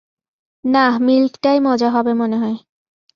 নাহ, মিল্কটাই মজা হবে মনেহয়।